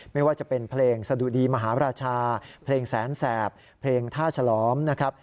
ไม่ว่าจะเป็นเพลงสะดุดีมหาราชาเพลงแสนแสบเพลงท่าฉลอมนะครับ